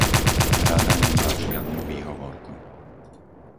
Rada nemá žiadnu výhovorku.